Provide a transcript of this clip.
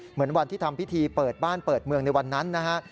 เหมือนวันที่ทำพิธีเปิดบ้านเปิดเมืองในวันนั้นนะฮะ